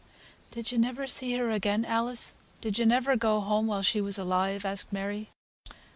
"Did you never see her again, Alice? Did you never go home while she was alive?" asked Mary.